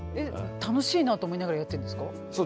楽しいなと思いながらやってんですか？